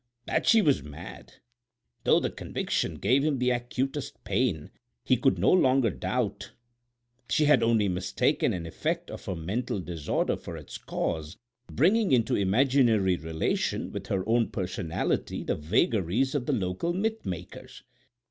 That she was mad, though the conviction gave him the acutest pain, he could no longer doubt; she had only mistaken an effect of her mental disorder for its cause, bringing into imaginary relation with her own personality the vagaries of the local myth makers.